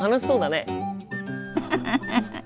フフフフ。